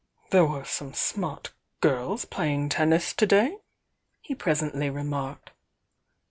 "There were some smart girls playing tennis to day," he presently remarked.